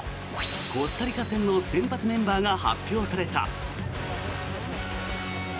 コスタリカ戦の先発メンバーが発表された。